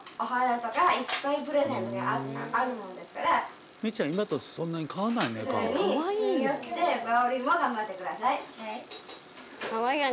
はい。